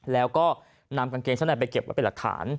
แล้วก็นำกางเกงชั้นในไปเก็บไว้เป็นหลักฐาน